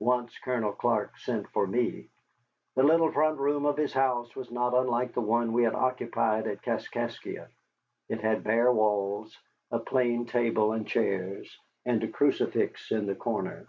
Once Colonel Clark sent for me. The little front room of this house was not unlike the one we had occupied at Kaskaskia. It had bare walls, a plain table and chairs, and a crucifix in the corner.